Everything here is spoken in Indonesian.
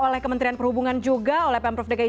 oleh kementerian perhubungan juga oleh pemprov dki